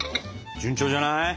順調じゃない？